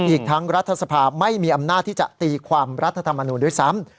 อีกทั้งรัฐสภาไม่มีอำนาจที่จะตีความรัฐธรรมนูลด้วยซ้ำ